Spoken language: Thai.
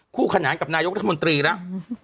คู่ขนานกับนายกรัฐมนตรีแล้ว